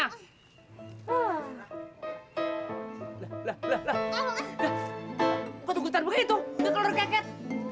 lah lah lah lah lah kok tunggu sebentar begitu gak keluar keket